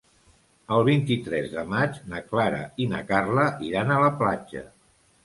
El vint-i-tres de maig na Clara i na Carla iran a la platja.